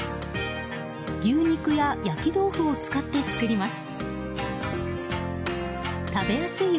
牛肉や焼き豆腐を使って作ります。